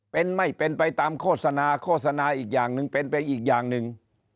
เป็นไม่เป็นไปตามโฆษณาโฆษณาอีกอย่างหนึ่งเป็นไปอีกอย่างหนึ่ง